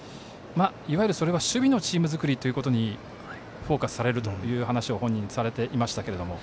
いわゆる、それは守備のチーム作りということにフォーカスされると本人、されていましたが。